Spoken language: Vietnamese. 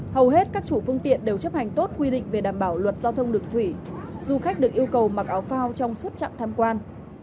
hầu hết các chủ phương tiện đều chấp hành tốt quy định về đảm bảo luật giao thông đường thủy du khách được yêu cầu mặc áo phao trong suốt trạm tham quan